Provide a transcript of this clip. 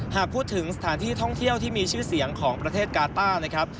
หากพูดถึงสถานที่ท่องเที่ยวที่มีชื่อเสียงของประเทศกาต้านะครับ